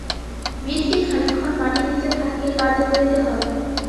বীজকে খানিকক্ষণ মাটির নীচে থাকিয়া কার্য করিতে হয়।